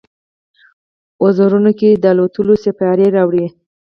وزرونو کې، د الوتلو سیپارې راوړي